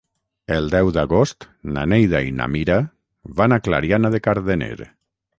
El deu d'agost na Neida i na Mira van a Clariana de Cardener.